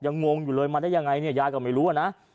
งงอยู่เลยมาได้ยังไงเนี่ยยายก็ไม่รู้นะ